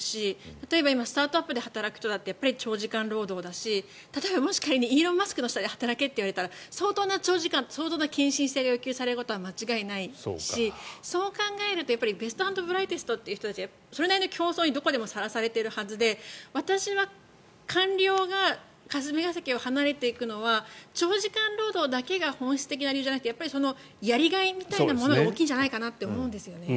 例えば今スタートアップで働く人だって長時間労働だし例えば、もし仮にイーロン・マスクの下で働けといったら相当な長時間、相当な献身性が要求されることは間違いないしそう考えるとベスト・アンド・ブライテストって人たちはそれなりの競争にそこでも、さらされているはずで私は官僚が霞が関を離れていくのは長時間労働だけが本質的な理由じゃなくてやりがいみたいなものが大きいと思うんですよね。